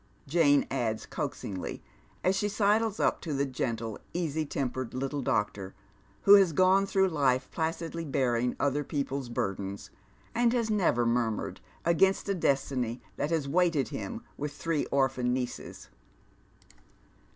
Jane adds coaxingly, as she sidles up to the gentle, easy tempered little doctoi', who lias gone through life placidly bearing other people's burdens, and has never murmured against a destiny that has weighted him with three orphan nieces.